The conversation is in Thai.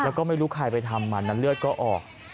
แล้วก็ไม่รู้ใครไปทำมันนั้นเลือดก็ออก